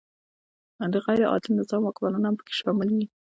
د غیر عادل نظام واکمنان هم پکې شامل وي.